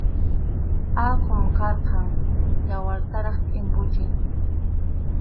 Alqum karqan, yawartaraq tʼimpuchiq.